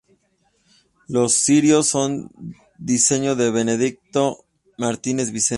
Los cirios son diseño de Benedicto Martínez Vicente.